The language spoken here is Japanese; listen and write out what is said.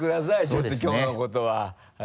ちょっときょうのことは。